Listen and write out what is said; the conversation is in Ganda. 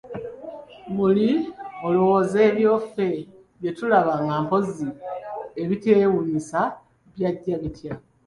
Muli olowooza ebyo ffe bye tulaba nga mpozzi ebiteewuunyisa byajja bitya?